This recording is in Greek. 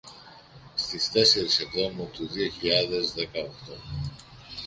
στις τεσσερις εβδόμου του δύο χιλιάδες δέκα οκτώ